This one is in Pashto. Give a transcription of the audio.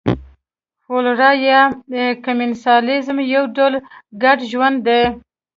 فلورا یا کمېنسالیزم یو ډول ګډ ژوند دی.